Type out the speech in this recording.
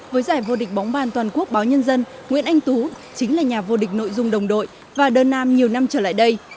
với giải vô địch bóng bàn toàn quốc báo nhân dân nguyễn anh tú chính là nhà vô địch nội dung đồng đội và đơn nam nhiều năm trở lại đây